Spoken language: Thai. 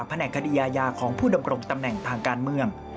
แหน่งคดีอาญาของผู้ดำรงตำแหน่งทางการเมือง